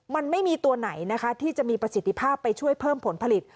มันไม่มีตัวไหนนะคะที่จะมีประสิทธิภาพไปช่วยเพิ่มผลผลิต